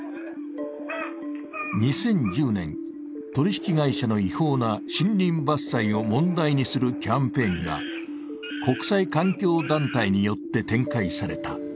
２０１０年、取引会社の違法な森林伐採を問題にするキャンペーンが国際環境団体によって展開された。